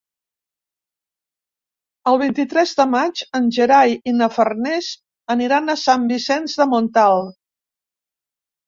El vint-i-tres de maig en Gerai i na Farners aniran a Sant Vicenç de Montalt.